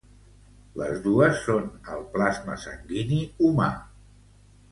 Les dos són al plasma sanguini humà.